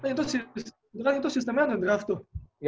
itu kan itu sistemnya nge draft tuh